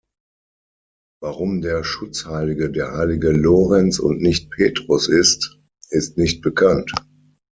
Warum der Schutzheilige der heilige Lorenz und nicht Petrus ist, ist nicht bekannt.